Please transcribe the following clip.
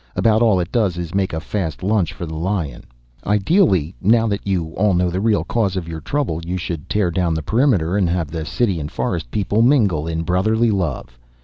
About all it does is make a fast lunch for the lion. Ideally, now that you all know the real causes of your trouble, you should tear down the perimeter and have the city and forest people mingle in brotherly love.